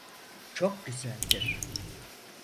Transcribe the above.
Çok güzeldir.